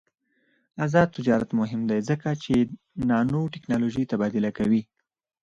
آزاد تجارت مهم دی ځکه چې نانوټیکنالوژي تبادله کوي.